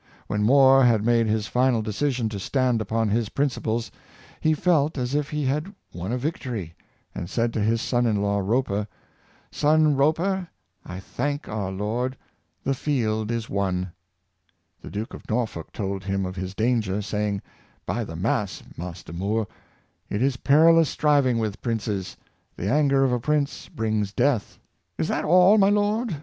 When More had made his final de cision to stand upon his principles, he felt as if he had won a victory, and said to his son in law Roper. " Son Roper, I thank our Lord, the field is won!" The Duke of Norfolk told him of his danger, saying: " By the mass, Master More, it is perilous striving with princes; the anger of a prince brings death!" "Is that all, my lord?"